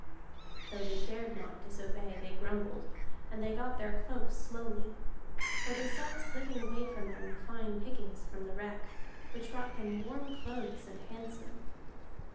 Though they dared not disobey, they grumbled, and they got their cloaks slowly. For they saw slipping away from them the fine pickings from the wreck, which brought them warm clothes and handsome.